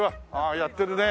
やってるね。